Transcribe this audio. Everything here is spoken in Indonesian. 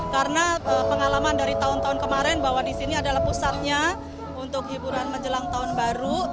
karena pengalaman dari tahun tahun kemarin bahwa disini adalah pusatnya untuk hiburan menjelang tahun baru